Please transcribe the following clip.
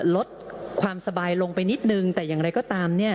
ลดความสบายลงไปนิดนึงแต่อย่างไรก็ตามเนี่ย